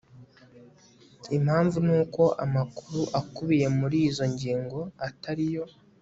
impamvu nuko amakuru akubiye muri izo ngingo atariyo